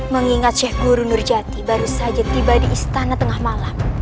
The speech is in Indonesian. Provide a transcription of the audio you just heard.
mengingat sheikh guru nurjati baru saja tiba di istana tengah malam